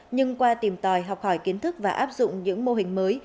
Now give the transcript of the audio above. nhưng qua tìm tòi học hỏi kiến thức và áp dụng những mô hình mới